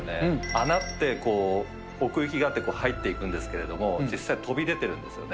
穴って奥行きがあって入っていくんですけど、実際、飛び出てるんですよね。